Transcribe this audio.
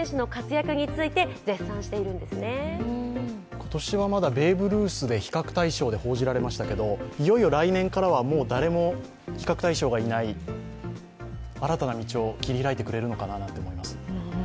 今年はまだベーブ・ルースで比較対象で報じられましたがいよいよ来年からはもう誰も比較対象がいない、新たな道を切り開いてくれるのかなと思います。